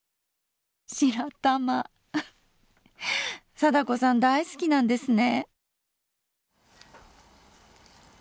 貞子さん大好きなんですね。